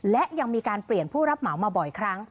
และยังมีการเปลี่ยนผู้รับเหมามาบ่อยครั้ง